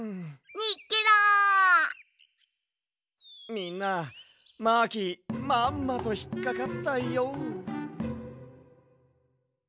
みんなマーキーまんまとひっかかったＹＯ。